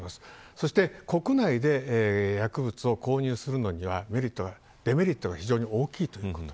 そして国内で薬物を購入するのにはデメリットが非常に大きいということ。